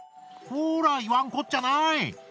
ほら言わんこっちゃない。